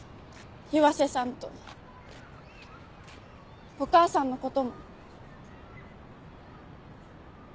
岩瀬さんとお母さんの事も。